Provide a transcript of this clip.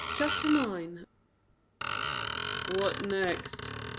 CHAPTER IX "What next?"